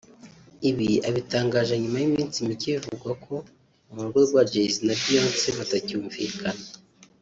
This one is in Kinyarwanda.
Ibi abitangaje nyuma y’iminsi mike bivugwa ko mu rugo rwa Jay z na Beyonce batacyumvikana